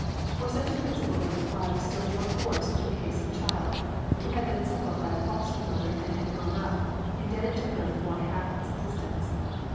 For such a principle would apply with still more force to the case of a child, who had been suckled by a foster mother and had grown up, indebted to her for half its exist ence.